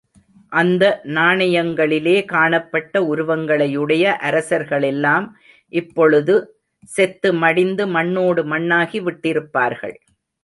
அந்த நாணயங்களிலே காணப்பட்ட உருவங்களையுடைய அரசர்களெல்லாம், இப்பொழுது செத்து மடிந்து மண்ணோடு மண்ணாகி விட்டிருப்பார்கள்.